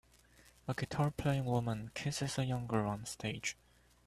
A guitarplaying woman kisses a young girl on stage.